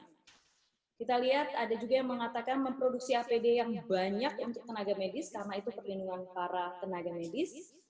kita lihat ada juga yang mengatakan memproduksi apd yang banyak untuk tenaga medis karena itu perlindungan para tenaga medis